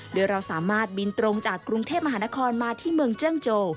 โดยเราสามารถบินตรงจากกรุงเทพมหานครมาที่เมืองเจื้องโจ